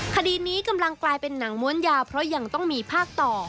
คดีนี้กำลังกลายเป็นหนังม้วนยาวเพราะยังต้องมีภาคต่อ